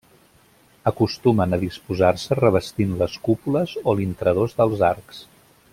Acostumen a disposar-se revestint les cúpules o l'intradós dels arcs.